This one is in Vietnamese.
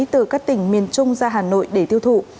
từ các tỉnh miền trung ra hà nội để tiêu thụ